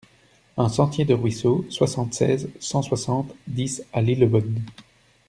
un sentier du Ruisseau, soixante-seize, cent soixante-dix à Lillebonne